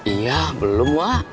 iya belum wak